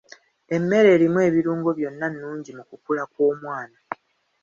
Emmere erimu ebirungo byonna nnungi mu kukula kw'omwana.